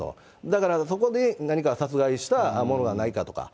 だからそこで何か殺害したものがないかとか。